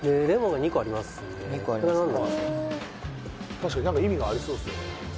確かに何か意味がありそうですよね